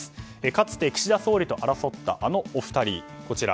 かつて、岸田総理と争ったあのお二人。